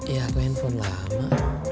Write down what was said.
ya aku handphone lama